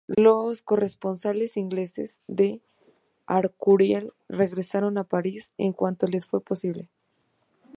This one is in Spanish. Los corresponsales ingleses de Arcueil regresaron a París en cuanto les fue posible.